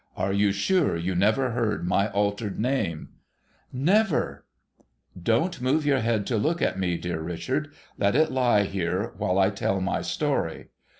Are you sure you never heard my altered name ?'' Never !'' Don't move your head to look at me, dear Richard. Let it lie here, while I tell my story.